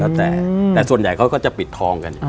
แล้วแต่แต่ส่วนใหญ่เขาก็จะปิดทองกันอย่างนี้ครับ